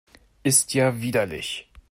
Ist ja widerlich!